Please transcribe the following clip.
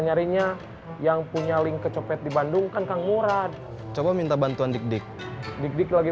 nyarinya yang punya link kecopet di bandung kan kang murad coba minta bantuan dik dik dik dik lagi